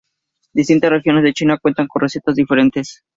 Distintas regiones de China cuentan con recetas diferentes.